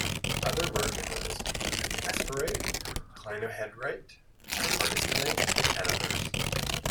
Other rare minerals include esperite, clinohedrite, hardystonite, and others.